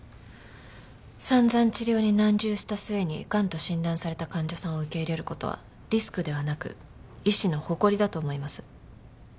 散々治療に難渋した末に癌と診断された患者さんを受け入れる事はリスクではなく医師の誇りだと思います。